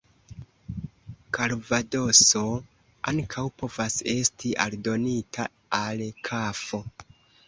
Kalvadoso ankaŭ povas esti aldonita al kafo.